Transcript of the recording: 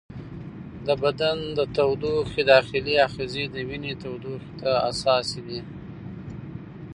د بدن د تودوخې داخلي آخذې د وینې تودوخې ته حساسې دي.